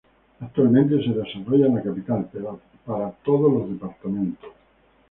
Actualmente se desarrolla en la Capital, para todos los departamentos.